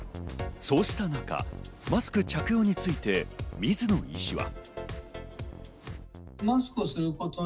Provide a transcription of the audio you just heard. そうしたなか、マスクの着用について水野医師は。